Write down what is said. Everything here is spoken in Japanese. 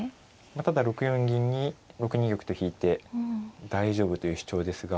まあただ６四銀に６二玉と引いて大丈夫という主張ですが。